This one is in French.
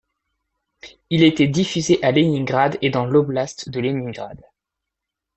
Il était diffusé à Léningrad et dans l'oblast de Léningrad.